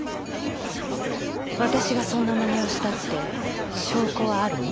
私がそんなまねをしたって証拠はあるの？